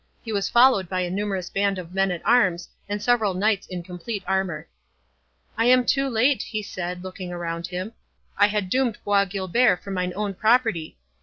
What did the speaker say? He was followed by a numerous band of men at arms, and several knights in complete armour. "I am too late," he said, looking around him. "I had doomed Bois Guilbert for mine own property.